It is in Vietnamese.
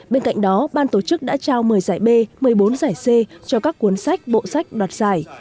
bên cạnh đó ban tổ chức đã trao một mươi giải b một mươi bốn giải c cho các cuốn sách bộ sách đoạt giải